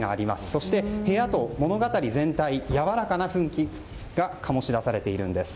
そして、物語全体にやわらかな雰囲気が醸し出されているんです。